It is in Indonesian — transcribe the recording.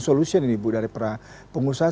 solution ini bu dari para pengusaha